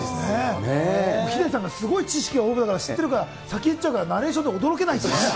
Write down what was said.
ヒデさんがすごい知識豊富だから、知ってるから、先言っちゃうから、ナレーションで驚けないってね。